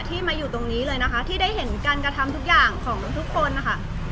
ที่มาอยู่ตรงนี้เลยนะคะที่ได้เห็นการกระทำทุกอย่างของทุกคนนะคะ